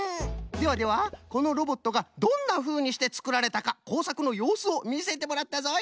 ではではこのロボットがどんなふうにしてつくられたかこうさくのようすをみせてもらったぞい。